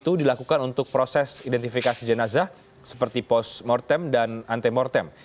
itu dilakukan untuk proses identifikasi jenazah seperti post mortem dan antemortem